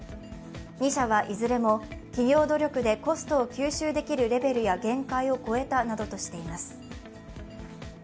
２社はいずれも企業努力でコストを吸収できるレベルや限界を超えたなどとしています。